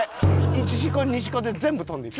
１シコ２シコで全部飛んでいく。